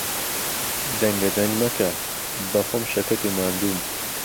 دەنگەدەنگ مەکە، بەخۆم شەکەت و ماندووم.